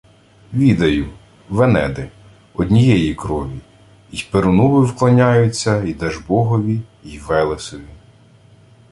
— Відаю: венеди. Однієї крові... Й Перунові вклоняються, й Дажбогові, й Велесові...